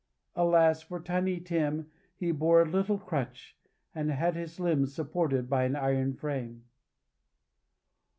Alas for Tiny Tim, he bore a little crutch, and had his limbs supported by an iron frame!